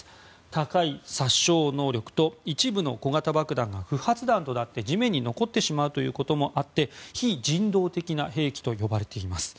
高い殺傷能力と一部の小型爆弾が不発弾となって地面に残ってしまうということもあって非人道的な兵器と呼ばれています。